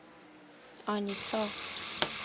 آنیسا